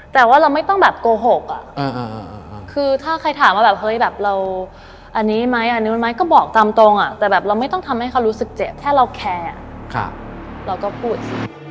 แต่ว่าเราไม่ต้องแบบโกหกอ่ะคือถ้าใครถามว่าแบบเฮ้ยแบบเราอันนี้ไหมอันนี้มันไหมก็บอกตามตรงแต่แบบเราไม่ต้องทำให้เขารู้สึกเจ็บถ้าเราแคร์เราก็พูด